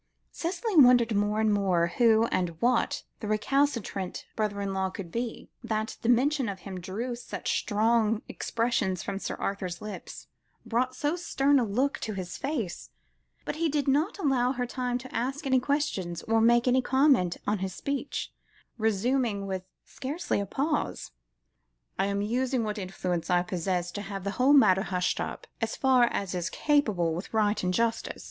Cicely wondered more and more who and what the recalcitrant brother in law could be, that the mention of him drew such strong expressions from Sir Arthur's lips, brought so stern a look to his face; but he did not allow her time to ask any questions, or make any comment on his speech, resuming with scarcely a pause "I am using what influence I possess, to have the whole matter hushed up, as far as is compatible with right and justice.